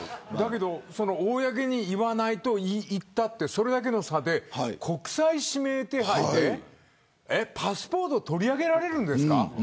公に言わないと、言ったのとそれだけの差で国際指名手配でパスポートを取り上げられるんですか。